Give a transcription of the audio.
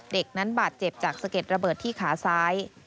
เด็กนั้นบาดเจ็บจากสะเก็ดระเบิดที่ขาซ้าย